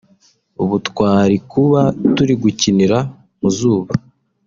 ubu twari kuba turi gukinira mu zuba